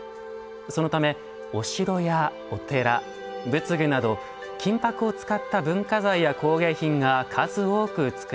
そのためお城やお寺仏具など金箔を使った文化財や工芸品が数多くつくられてきました。